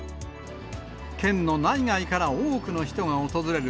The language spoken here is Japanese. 県の内外から多くの人が訪れる